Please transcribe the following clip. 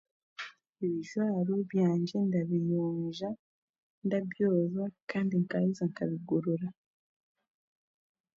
Ebijwaro byangye ndabiyonja, ndyabyoza kandi nkaheza nkabigorora.